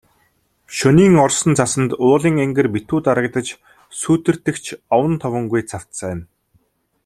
Шөнийн орсон цасанд уулын энгэр битүү дарагдаж, сүүдэртэх ч овон товонгүй цавцайна.